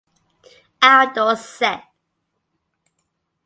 Outdoor set.